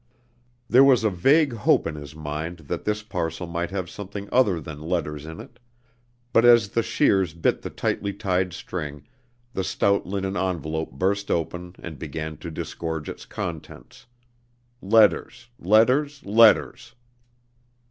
There was a vague hope in his mind that this parcel might have something other than letters in it: but as the shears bit the tightly tied string, the stout linen envelope burst open and began to disgorge its contents: letters letters letters!